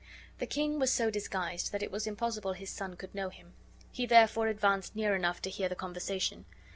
The king was so disguised that it was impossible his son could know him. He therefore advanced near enough to hear the conversation.